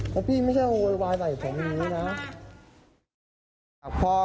เพราะพี่ไม่ใช่โยยวายใส่ผมอยู่นะ